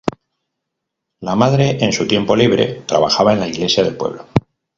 La madre, en su tiempo libre, trabajaba en la iglesia del pueblo.